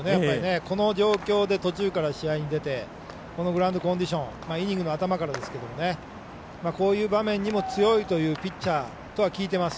この状況で、途中から試合に出てこのグラウンドコンディションイニングの頭からですがこういう場面にも強いというピッチャーとは聞いてます。